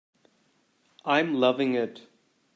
I'm loving it.